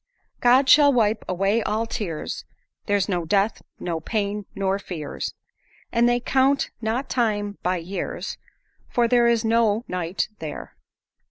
"God shall wipe away all tears; There's no death, no pain, nor fears; And they count not time by years, For there is no night there.